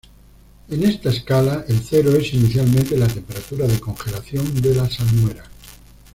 En esta escala, el cero es inicialmente la temperatura de congelación de la salmuera.